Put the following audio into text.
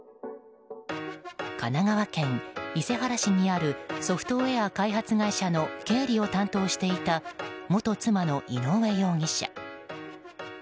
神奈川県伊勢原市にあるソフトウェア開発会社の経理を担当していた元妻の井上容疑者。